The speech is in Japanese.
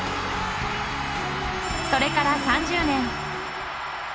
それから３０年。